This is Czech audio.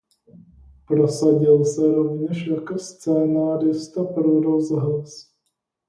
Prosadil se rovněž jako scenárista pro rozhlas.